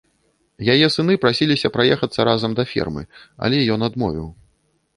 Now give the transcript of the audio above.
Яе сыны прасіліся праехацца разам да фермы, але ён адмовіў.